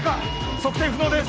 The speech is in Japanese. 測定不能です